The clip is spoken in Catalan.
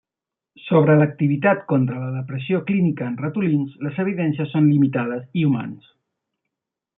Sobre l'activitat contra la depressió clínica en ratolins les evidències són limitades i humans.